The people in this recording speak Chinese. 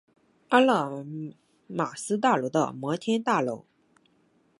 阿勒玛斯大楼的摩天大楼。